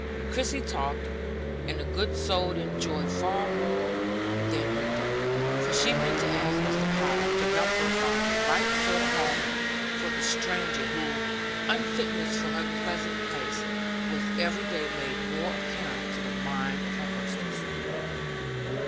Christie talked, and the good soul enjoyed that far more than her dinner, for she meant to ask Mr. Power to help her find the right sort of home for the stranger whose unfitness for her present place was every day made more apparent to the mind of her hostess.